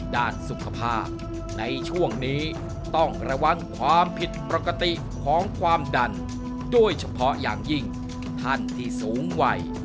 ด้านสุขภาพในช่วงนี้ต้องระวังความผิดปกติของความดันโดยเฉพาะอย่างยิ่งท่านที่สูงวัย